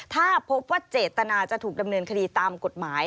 ถ้าพบว่าเจตนาจะถูกดำเนินคดีตามกฎหมาย